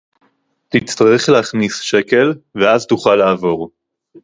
תצטרך להכניס שקל ואז תוכל לעבור